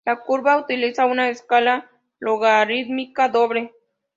La curva utiliza una escala logarítmica doble.